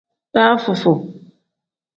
Dafuu-fuu.